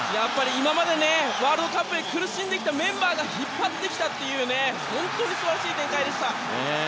今までワールドカップで苦しんできたメンバーが引っ張ってきたという本当に素晴らしい展開でした。